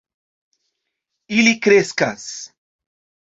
Ili kreskas